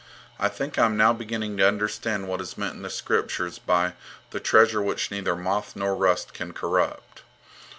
I think I am now beginning to understand what is meant in the Scriptures by 'the treasure which neither moth nor rust can currupt.'